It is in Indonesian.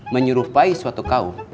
menyuruhpai suatu kaum